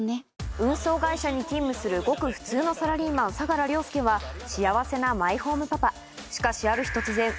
運送会社に勤務するごく普通のサラリーマン相良凌介は幸せなマイホームパパ